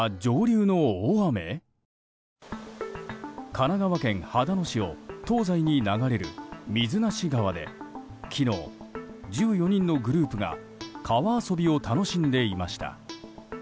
神奈川県秦野市を東西に流れる水無川で昨日、１４人のグループが川遊びを楽しんでいました。